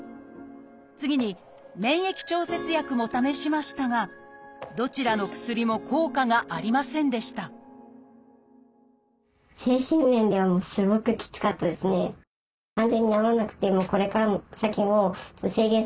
次に免疫調節薬も試しましたがどちらの薬も効果がありませんでした一度は諦めかけた川上さん。